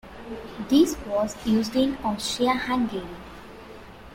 This was used in Austria-Hungary.